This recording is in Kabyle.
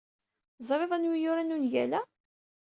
Teẓriḍ anwa i yuran ungal-a?